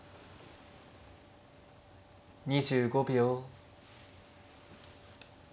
２５秒。